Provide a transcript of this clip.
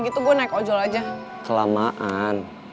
gue ingetin sama kalian semua ya